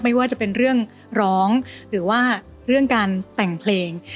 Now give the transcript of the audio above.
ไม่ว่าจะเป็นเรื่องร้องหรือว่าเรื่องการแต่งเพลง